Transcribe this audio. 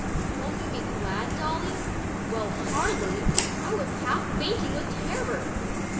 Won't you be glad, Dolly?" Well, hardly! I was half fainting with terror.